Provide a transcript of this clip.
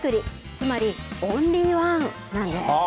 つまり、オンリーワンなんです。